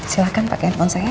silahkan pake handphone saya